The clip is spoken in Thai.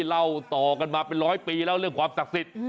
เล่าต่อกันมาเป็นร้อยปีแล้วเรื่องความศักดิ์สิทธิ์